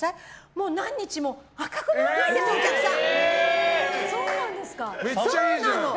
もう何日も赤くならないんですよお客さん！